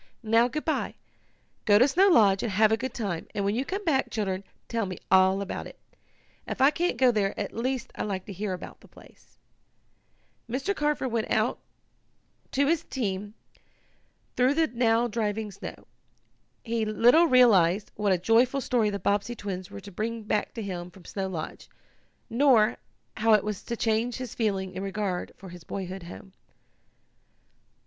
"Now, good bye. Go to Snow Lodge, and have a good time, and when you come back, children, tell me all about it. If I can't go there at least I like to hear about the place." Mr. Carford went out to his team, through the now driving snow. He little realized what a joyful story the Bobbsey twins were to bring back to him from Snow Lodge, nor how it was to change his feeling in regard for his boyhood home.